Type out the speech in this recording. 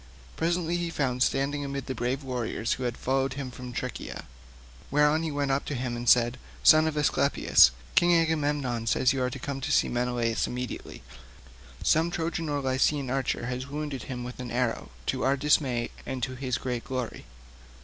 Presently he found standing amid the brave warriors who had followed him from Tricca; thereon he went up to him and said, "Son of Aesculapius, King Agamemnon says you are to come and see Menelaus immediately. Some Trojan or Lycian archer has wounded him with an arrow to our dismay and to his own great glory."